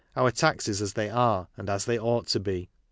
Our Taxes as they are and as they ought to be.